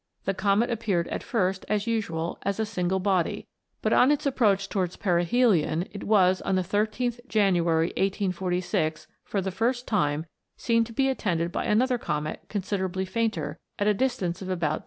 The Comet appeared at first, as usual, as a single body ; but on its approach towards perihelion it was, on the 1 3th January, 1846, for the first time, seen to be attended by another Comet considerably fainter, at a distance of about 2'.